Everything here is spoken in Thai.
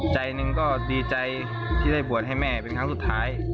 ใจหนึ่งก็ดีใจที่ได้บวชให้แม่เป็นครั้งสุดท้าย